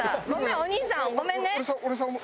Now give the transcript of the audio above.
お兄さんごめんね。